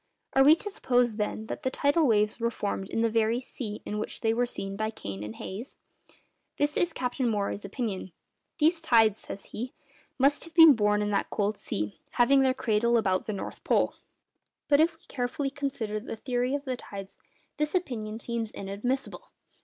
Are we to suppose, then, that the tidal waves were formed in the very sea in which they were seen by Kane and Hayes? This is Captain Maury's opinion:—'These tides,' says he, 'must have been born in that cold sea, having their cradle about the North Pole.' But if we carefully consider the theory of the tides, this opinion seems inadmissible.